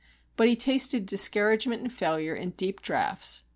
But he tasted discouragement and failure in deep draughts.